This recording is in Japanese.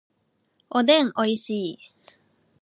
おでんおいしい